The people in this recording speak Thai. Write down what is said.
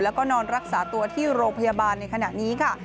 แล้วก็นอนรักษาตัวที่โรงพยาบาลในขณะนี้ค่ะ